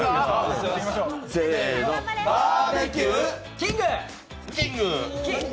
キング！